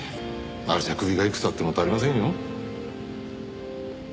あれじゃ首がいくつあっても足りませんよ。